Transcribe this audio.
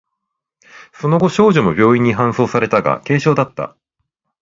その後、少女も病院に搬送されたが、軽傷だった。